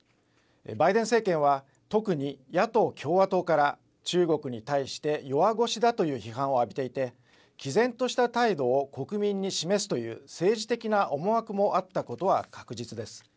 バイデン政権は特に野党・共和党から、中国に対して弱腰だという批判を浴びていて、きぜんとした態度を国民に示すという、政治的な思惑もあったことは確実です。